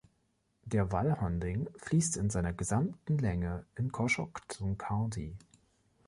Der Walhonding fließt in seiner gesamten Länge in Coshocton County.